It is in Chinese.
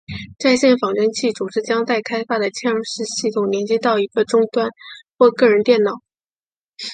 在线仿真器总是将待开发的嵌入式系统连接到一个终端或个人电脑。